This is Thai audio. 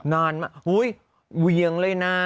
นอนมาอุ๊ยเวียงเลยนะ